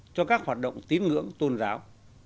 cho các hoạt động tín ngưỡng tôn giáo